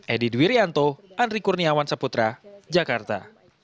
edi dwiryanto andri kurniawan saputra jakarta